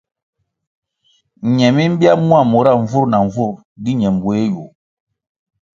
Ñe mi mbya mua nvur na nvur di ñe mbueh yu.